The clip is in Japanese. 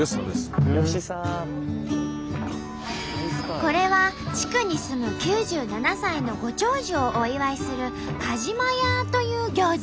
これは地区に住む９７歳のご長寿をお祝いする「カジマヤー」という行事。